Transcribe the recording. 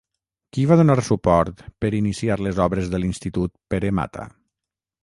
Qui va donar suport per iniciar les obres de l'Institut Pere Mata?